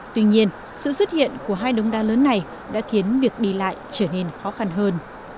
tuy nhiên sự xuất hiện của hai đống đa lớn này đã khiến việc đi lại trở nên khó khăn hơn